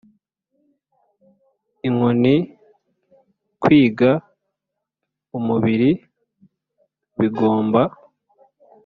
inkoni, kwiga, umubiri, bigomba